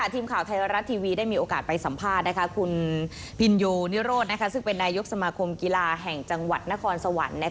ทีมข่าวไทยรัฐทีวีได้มีโอกาสไปสัมภาษณ์คุณพินโยนิโรธซึ่งเป็นนายกสมาคมกีฬาแห่งจังหวัดนครสวรรค์